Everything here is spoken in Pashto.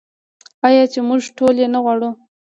آیا چې موږ ټول یې نه غواړو؟